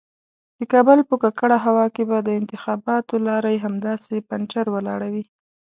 د کابل په ککړه هوا کې به د انتخاباتو لارۍ همداسې پنجر ولاړه وي.